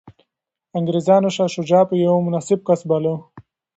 انګریزانو شاه شجاع یو مناسب کس وباله.